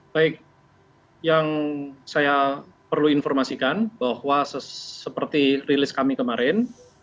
baik yang saya perlu informasikan bahwa seperti rilis kami kemarin